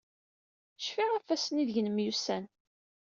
Cfiɣ ɣef ass-nni deg nemyussan.